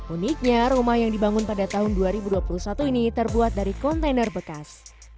uniknya rumah yang dibangun pada tahun dua ribu dua puluh satu ini terbuat dari kontainer bekas